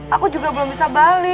aku juga belum bisa bali